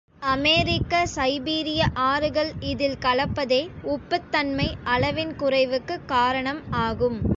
அமெரிக்க, சைபீரிய ஆறுகள் இதில் கலப்பதே உப்புத் தன்மை அளவின் குறைவுக்குக் காரணம் ஆகும்.